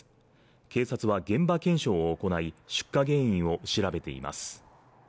警察は現場検証を行い出火原因を調べています